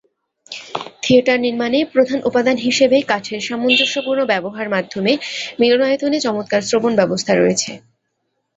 Theatre নির্মাণে প্রধান উপাদান হিসাবে কাঠের সামঞ্জস্যপূর্ণ ব্যবহার মাধ্যমে, মিলনায়তনে চমৎকার শ্রবণ ব্যবস্থা রয়েছে।